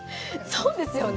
そうですよね。